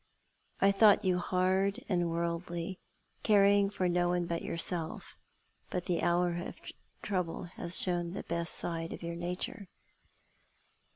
I thought you hard and worldly, caring for no one but yourself; but the hour of trouble has shown the best side of your nature."